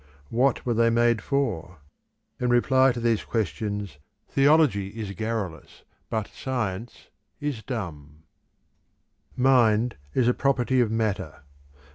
What were they made for? In reply to these questions theology is garrulous, but science is dumb. Mind is a property of matter.